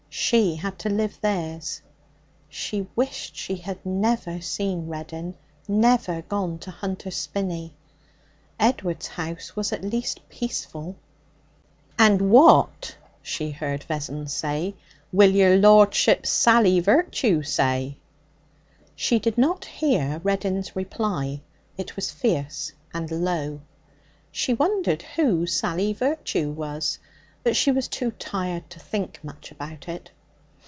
She had to live theirs. She wished she had never seen Reddin, never gone to Hunter's Spinney. Edward's house was at least peaceful. 'And what,' she heard Vessons say, 'will yer lordship's Sally Virtue say?' She did not hear Reddin's reply; it was fierce and low. She wondered who Sally Virtue was, but she was too tired to think much about it.